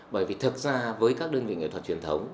bởi vì thực ra với các đơn vị nghệ thuật truyền thống